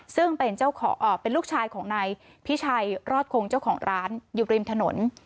ซึ่งเป็นลูกชายของนายพิชัยรอดคงเจ้าของร้านอยู่ริมถนน